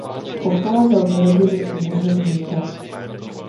Pocházel z rodiny úředníka.